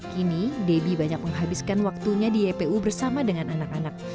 kini debbie banyak menghabiskan waktunya di ypu bersama dengan anak anak